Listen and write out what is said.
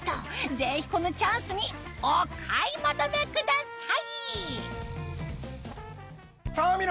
ぜひこのチャンスにお買い求めください！